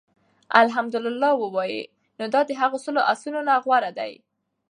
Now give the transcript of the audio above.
اَلْحَمْدُ لِلَّه ووايي، نو دا د هغو سلو آسونو نه غوره دي